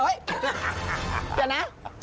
อย่านะ